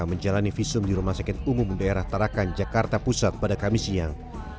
menjalani visum di rumah sakit umum daerah tarakan jakarta pusat pada kamis siang